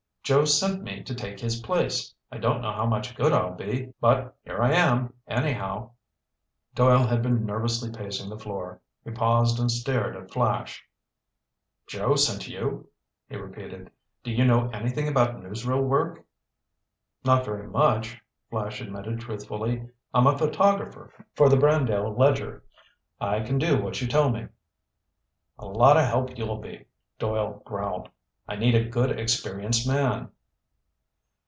"Joe sent me to take his place. I don't know how much good I'll be, but here I am anyhow." Doyle had been nervously pacing the floor. He paused and stared at Flash. "Joe sent you?" he repeated. "Do you know anything about newsreel work?" "Not very much," Flash admitted truthfully. "I'm a photographer for the Brandale Ledger. I can do what you tell me." "A lot of help you'll be," Doyle growled. "I need a good, experienced man."